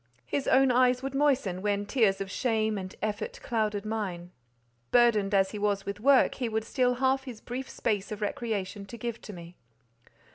His own eyes would moisten, when tears of shame and effort clouded mine; burdened as he was with work, he would steal half his brief space of recreation to give to me.